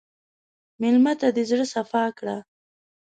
مېلمه ته د زړه صفا کړه.